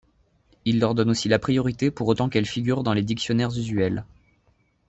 Il leur donne aussi la priorité pour autant qu'elles figurent dans les dictionnaires usuels.